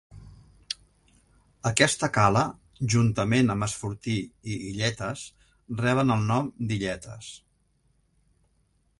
Aquesta cala, juntament amb es Fortí i Illetes reben el nom d'Illetes.